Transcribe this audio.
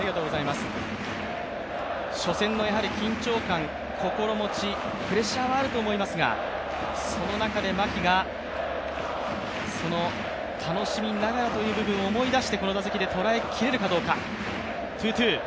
初戦の緊張感、心持ち、プレッシャーもあると思いますがその中で牧が楽しみながらという部分を思い出してこの打席で捉えきれるかどうか。